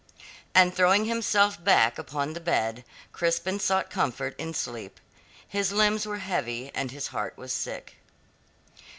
And throwing himself back upon the bed, Crispin sought comfort in sleep. His limbs were heavy and his heart was sick.